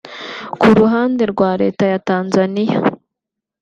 Ku ruhande rwa Leta ya Tanzania